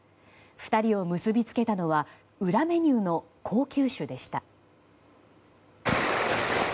２人を結びつけたのは裏メニューの高級酒でした。